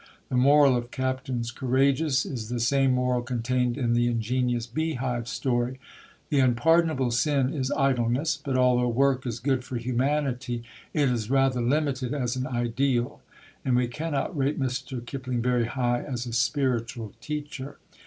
The moral of Captains Courageous is the same moral contained in the ingenious bee hive story. The unpardonable sin is Idleness. But although Work is good for humanity, it is rather limited as an ideal, and we cannot rate Mr. Kipling very high as a spiritual teacher.